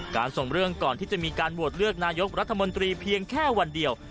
ส่งเรื่องก่อนที่จะมีการโหวตเลือกนายกรัฐมนตรีเพียงแค่วันเดียว